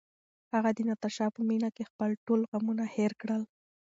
هغه د ناتاشا په مینه کې خپل ټول غمونه هېر کړل.